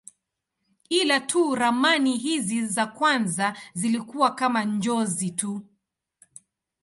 Ila tu ramani hizi za kwanza zilikuwa kama njozi tu.